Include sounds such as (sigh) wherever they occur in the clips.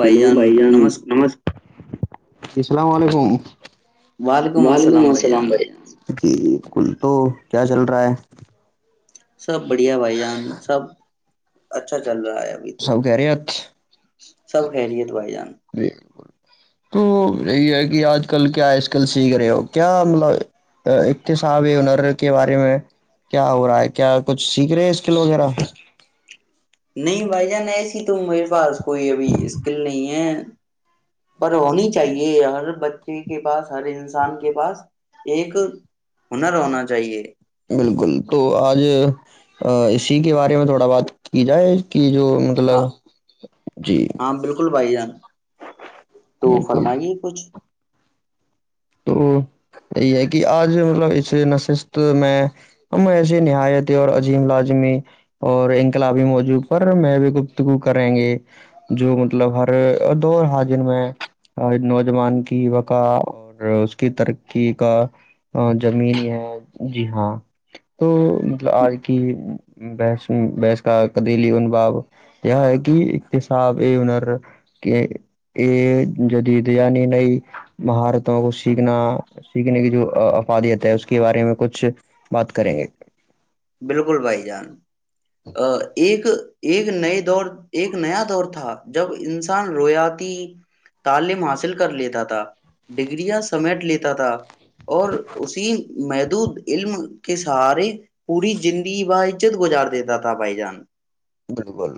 hello بھائی جان نمس السلام علیکم وعلیکم السلام بھائی کل تو کیا چل رہا ہے سب بڑھیا بھائی جان سب اچھا چل رہا ہے ابھی تو سب خیریت سب خیریت بھائی جان تو یہ ہے کہ آج کل کیا ایس کل سیکھ رہے ہو کیا مطلب اقتصاب ہنر کے بارے میں کیا ہو رہا ہے کیا کچھ کچھ سیکھ رہے ہیں اسکل وغیرہ نہیں بھائی جان ایسی تو میرے پاس کوئی ابھی اسکل نہیں ہے پر ہونی چاہیے یار بچے کے پاس ہر انسان کے پاس ایک ہنر ہونا چاہیے بالکل تو آج اسی کے بارے میں تھوڑا بات کی جائے کہ جو ہاں مطلب جی ہاں بالکل بھائی جان تو بالکل فرمائی گے کچھ تو یہ ہے کہ اج مطلب اس نشست میں ہم ایسے نہایت ہے اور عظیم لازمی اور انقلابی موجود پر میں بھی گفتگو کریں گے جو مطلب ہر دور حاضر میں نوجوان کی وقا اور اس کی ترقی کا زمین ہے جی ہاں تو مطلب اج کی بس بس کا قدیلی انبا کیا ہے کہ ایکتساب یہ ہنر کہ یہ جدیدیعنی نہیں مہار کو سیکھنا سیکھنے کی جو افادیت ہے اس کے بارے میں کچھ بات کریں گے بالکل بھائی جان ا ایک ایک نئے دور ایک نیا دور تھا جب انسان رویاتی تعلیم حاصل کر لیتا تھا ڈگریاں سمیٹ لیتا تھا اور اسی محدود علم کے سارے پوری زندگی و عزت گزار دیتا تھا بھائی جان بالکل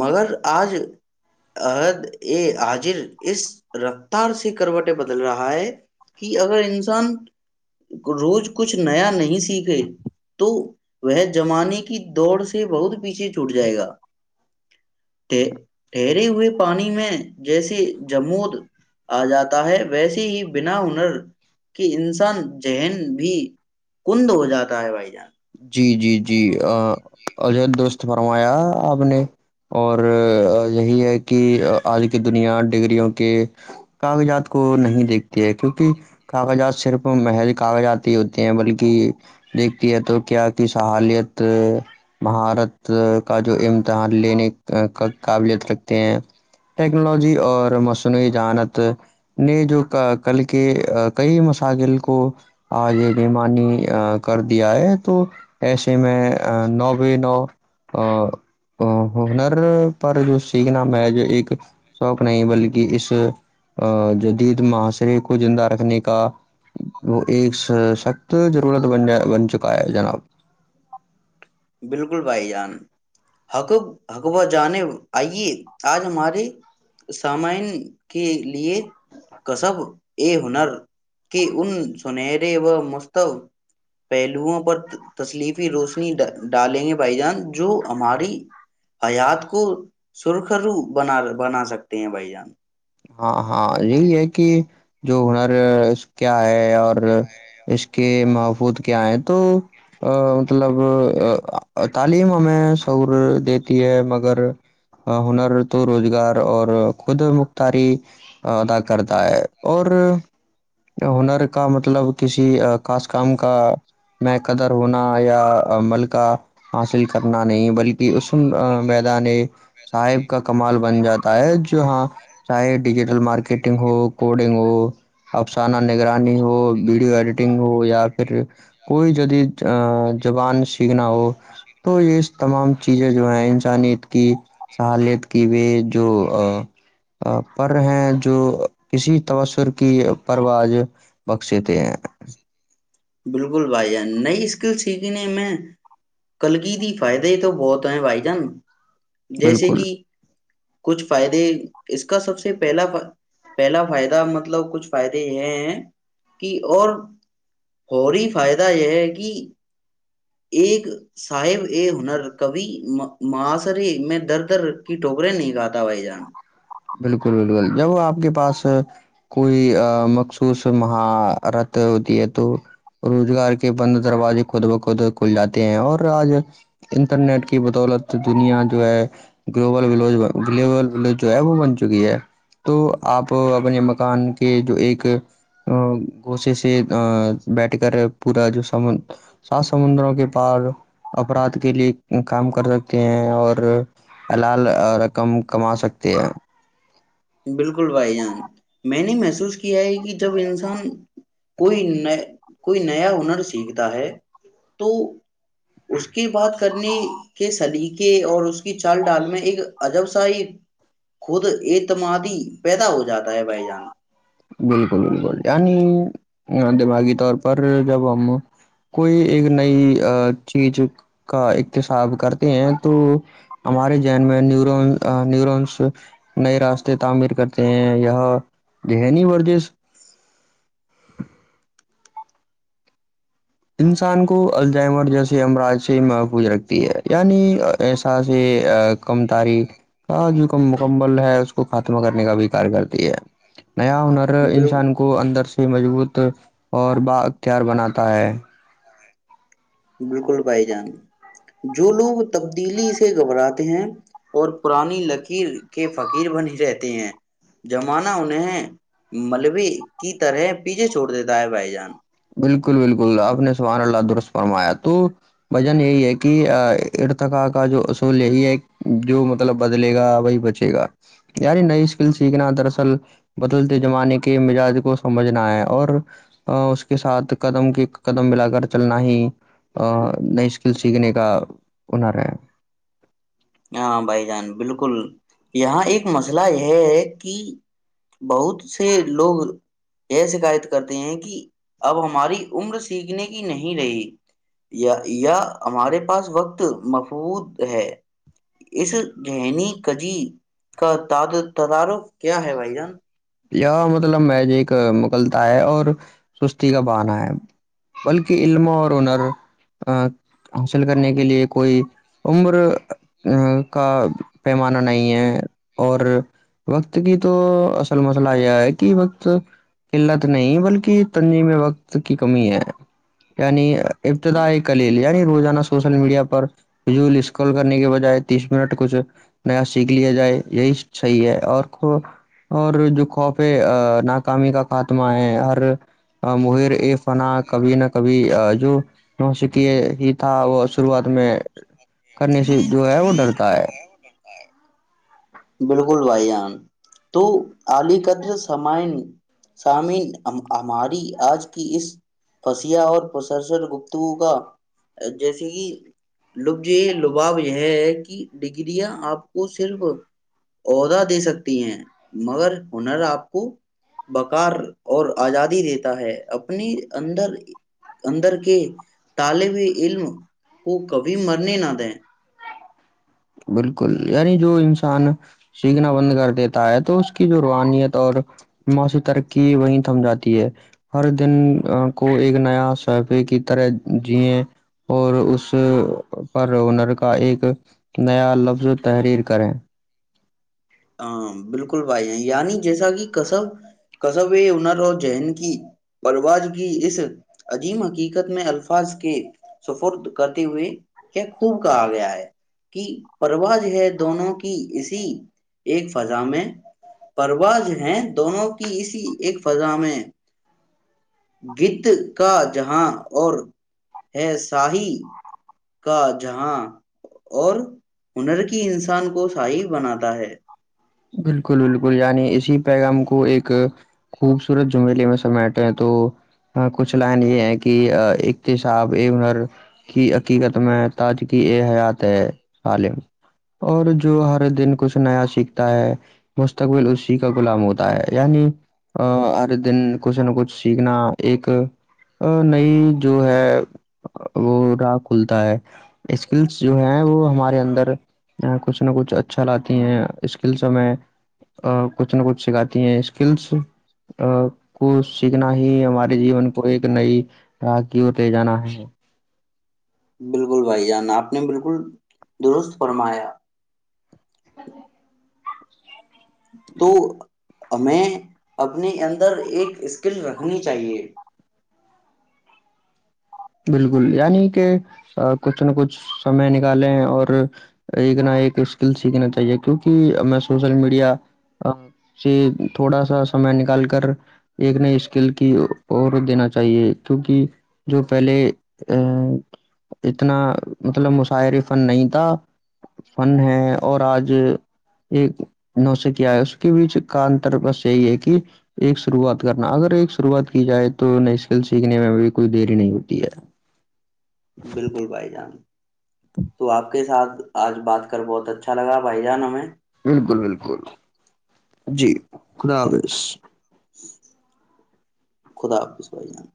مگر آج عد ا حاجر اس رفتار سے کروٹیں بدل رہا ہے کہ اگر انسان روز کچھ نیا نہیں سیکھے تو وہ زمانے کی دوڑ سے بہت پیچھے چھوٹ جائے گا ٹھہرے ہوئے پانی میں جیسی جمود آ جاتا ہے ویس ہی بنا ہنر کی انسان ذہن بھی کند ہو جاتا ہے بھائی جان جی جی جی اجر درست فرمایا آپ نے اور یہی ہے کہ آج کی دنیا ڈگریوں کے کاغذات کو نہیں دیکھتی ہے کیونکہ کاغذات صرف محض کاغذات ہی ہوتے ہیں بلکہ دیکھتی ہے تو کیا کی صہالیت مہارت کا جو امتحان لینے قابلیت رکھتے ہیں ٹیکنالوجی اور مصنوعی جہانت نے جو کل کے کئی مسائغل کو آ یہمانی کر دیا ہے تو ایسے میں نو ب نو ہنر پر جو سیکھنا میں جو ایک شوق نہیں بلکہ اس جدید معاشرے کو زندہ رکھنے کا وہ ایک سخت ضرورت بن جائے بن چک بائے جناب بالکل بھائی جان حکب حکبہ جانب آئیے آج ہمارے سامعین کے لیے کس ہنر کے ان سنہرے و مستب پہلوؤں پر تسلیفی روشنی ڈال ڈالیں گے بھائی جان جو ہماری حیات کو سرخو بنا بنا سکتے ہیں بھائی جان ھاں ھاں یہی ہے کہ جو ہونا کیا ہے اور اس کے کہ محفود کیا ہیں تو مطلب تعلیم ہمیں شور دیتی ہے مگر ہنر تو روزگار اور خود اری ادا کرتا ہے اور ہنر کا مطلب کسی خاص کام کا میں قدر ہونا یا ملک حاصل کرنا نہیں بلکہ کہ اس میدان صاحب کا کمال بن جاتا ہے ج ہاں ڈیجیٹل مارکیٹنگ ہو کوڈنگ ہو افسانہ نگرانی ہو ویڈیو ایڈیٹنگ ہو یا پھر کوئی جدید زبان سیکھنا ہو تو یہ تمام چیزیں جو ہیں انسانیت کی سہالت کی بھی جو پر ہیں جو کسی تسر کی پروج بخشتے ہیں بالکل بھائی جان نہیںئی اسکل سیک نے میں کلگی کی فائدے ہی تو بہت ہے بھائی جان جیسے بالکل کہ کچھ فائدے اس کا سب سے پہلا پہلا فائدہ مطلب کچھ فائدے یہ ہیں کہ اور فوری فائدہ یہ ہے کہ ایک صاحب ا ہنر کبی ماسرے میں در در کی ٹوکریں نہیں گاتا بھائی جان بالکل بالکل جب آپ کے پاس کوئی مخصوص مہارت ہوتی ہے تو روزگار کے بند دروازے خود بخود کھل جاتے ہیں اور آج انٹرنیٹ کی بدولت دنیا جو ہے گلوبل و گلوبل وج وہ بن چکی ہے تو آپ اپنے مکان کے جو ایک گوسے سے بیٹھ کر پورا جو س سات سمندروں کے پار اپرھ کے لیے کام کر سکتے ہیں اور اللال رقم کما سکتے (inaudible) بالکل بھائی جان میں نے محسوس کیا ہے کہ جب انسان کوئی ن کوئی نیا ہنر سیکھتا ہے تو اس کی بات کرنی کے سدقے اور اس کی چال ڈال میں ایک عجب سا ہی خود ایک اعتمادی پیدا ہو جاتا ہے بھائی جان بالکل بالکل یعنی دماغی طور پر جب ہم کوئی ایک نئی چیز کا اقتساب کرتے ہیں تو ہمارے ذین میں نیورون نیورونس نئے راستے تعمیر کرتے ہیں یہ دہنی وردیش انسان کو الجائمر جیسے امراج سے محفوظ رکھتی ہے یعنی ای سا سے کم تاریخ جو کم مکمل ہے اس (unintelligible) ختم کرنے کا بھی کار کرتی ہے نیا ہنر بال انسان کو اندر سے مضبوط اور با اختیار بناتا ہے بالکل بھائی جان جو لوگ تبدیلی سے گھبراتے ہیں اور پرانی لکیر کے فقیر بن ہی رہتے ہیں زمانہ انہیں ملبے کی طرح پیچھے چھوڑ دیتا ہے بھائی جان بالکل بالکل آپ نے سبحان اللہ درست فرمایا تو بھائی جان یہی ہے کہ ارتقا کا جو اصول یہی ہے جو مطلب بدلے گا وہی بچے گا یعنی نئ اسکل سیکھنا دراصل بدلتے زمانے کے مزاج کو سمجھنا ہے اور اس کے ساتھ قدم کے قدم ملا کر چلنا ہی نئی اسکل سیکھنے کا ہنر ہے ہاں بھائی جان بالکل یہاں ایک مسئلہ یہ ہے کہ بہت سے لوگ یہ شکایت کرتے ہیں کہ اب ہماری عمر سیکھنے کی نہیں رہی یا ہمارے پاس وقت مفہود ہے بھائی جان اس زہنی کجی کا تدارک کیا ہے یا مطلب ایک مغلتا ہے اور سستی کا بہانہ ہے بلکہ علم اور ہنر حاصل کرنے کے لیے کوئی عمر کا پیمانہ نہیں ہے اور وقت کی تو اصل مسئلہ یہ ہے کہ وقت قلت نہیں بلکہ تنظیم وقت کی کمی ہے یعنی ابتدا ہے کلیلی یعنی روزانہ سوشل میڈیا پر فضول سکرول کرنے کے بجائے تیس منٹ کچھ نیا سیکھ لیا جائے یہی صحیح ہے اور اور جو خوفے ناکامی کا خاتمہ ہے ہر مہر اپنا کبھی نہ کبھی جو نوش کی ہی تھا وہ شروعات میں کرنے سے جو ہے وہ ڈرتا ہے بالکل بائیان تو علی قدر سامعن سامین ہماری آج کی اس پسیا اورر گفتگو کا جیسے کہ لفظی لباب یہ ہے کہ ڈگریاں آپ کو صرف عہدہ دے سکتی ہیں مگر ہنر آپ کو بکار اور آزادی دیتا ہے اپنی اندر اندر کے طالب علم کو کبھی مرنے نہ دیں بالکل یعنی جو انسان سیکھنا بند کر دیتا ہے تو اس کی جو روہانیت اور معاشی ترقی وہیں تھم جاتی ہے ہر دن کو ایک نیا صفے کی طرح جییں اور اس پر ہنر کا ایک نیا لفظ تحریر کریں ہاں بالکل بھائی ہیں یعنی جیسا کہ کصب کصب ہنر اور جین کی پرواز کی اس عجیم حقیقت میں الفاظ کے سفرد کرتے ہوئے کیا خوب کہا گیا ہے کہ پرواز ہے دونوں کی اسی ایک فضا میں پرواز ہے دونوں کی اسی ایک فضا میں گت کا جہاں اور ہے شاہی کا جہاں اور ہنر کی انسان کو شاہی بناتا ہے بالکل بالکل یعنی اسی پیغام کو ایک خوبصورت جملیے میں سمیٹے تو کچھ لائن یہ ہے کہ اقتصاب اے ہنر کی حقیقت میں تاج کیی اے حیات ہے عالم اور جو ہر دن کچھ نیا سھ مستقبل اسی کا غلام ہوتا ہے یعنی ہر دن کچھ نہ کچھ سیکھنا ایک نئی جو ہے وہ راہ کھلتا ہے اسکلس جو ہے وہ ہمارے اندر کچھ نہ کچھ اچھا لاتی ہیں اسکلس ہمیں کچھ نہ کچھ سکھاتی ہیں اسکلس کو سیکھنا ہی ہمارے جیون کو ایک نئی راہ کی دے جانا ہے بالکل بھائی جان آپ نے بالکل درست فرمایا تو ہمیں اپنے اندر ایک اسکل رکھنی چاہیے بالکل یعنی کہ کچھ نہ کچھ سمے نکالیں اور ایک نہ ایک اسکل سیکھنا چاہیے کیوںک میں سوشل میڈیا سے تھوڑا سا سمے نکال کر ایک نئ اسکل کی اور دینا چاہیے کیوںک جو پہلے ا اتنا مطلب مشاہرے فن نہیں تھا فن ہے اور آج ایک نوسیکیا اس کے بیچ کا انتر بس یہی ہے کہ ایک شروعات کرنا اگر ایک شروعات کی جائے تو نئی اسکل سیکھنے میں بھی کوئی دیری نہیں ہو یرا (unintelligible) بالکل بھائی جان تو آپ کے ساتھ آج بات کر بہت اچھا لگا بھائی جان ہمیں بالکل بالکل جی خدا حافظ خدا حافط بھائی جان